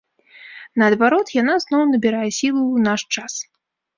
Наадварот, яна зноў набірае сілу ў наш час.